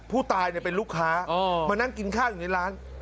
ผู้ตายเป็นลูกค้ามานั่งกินข้าวอยู่ในร้าน